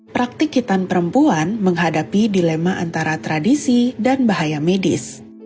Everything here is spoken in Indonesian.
praktik hitam perempuan menghadapi dilema antara tradisi dan bahaya medis